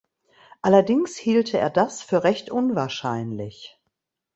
Allerdings hielte er das für recht unwahrscheinlich.